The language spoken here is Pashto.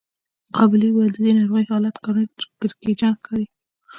قابلې وويل د دې ناروغې حالت کړکېچن ښکاري.